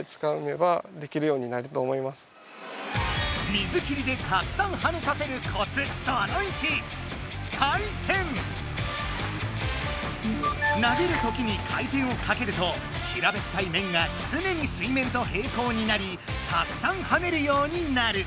水切りでたくさんはねさせるコツ投げるときに回転をかけると平べったい面がつねに水面と平行になりたくさんはねるようになる。